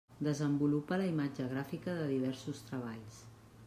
Desenvolupa la imatge gràfica de diversos treballs.